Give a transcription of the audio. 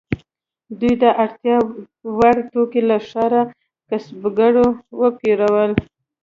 دوی د اړتیا وړ توکي له ښاري کسبګرو پیرل.